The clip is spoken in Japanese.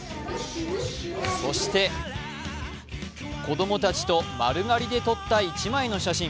そして、子供たちと丸刈りで撮った一枚の写真。